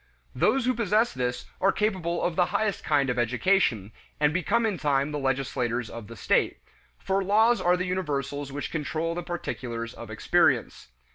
Those who possess this are capable of the highest kind of education, and become in time the legislators of the state for laws are the universals which control the particulars of experience.